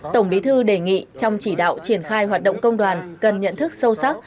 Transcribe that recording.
tổng bí thư đề nghị trong chỉ đạo triển khai hoạt động công đoàn cần nhận thức sâu sắc